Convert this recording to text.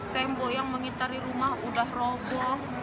tembok yang mengitari rumah udah roboh